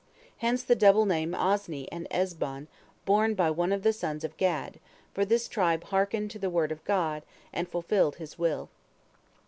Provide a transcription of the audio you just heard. Hence the double name Ozni and Ezbon borne by one of the sons of Gad, for this tribe "hearkened" to the word of God, and fulfilled His "will."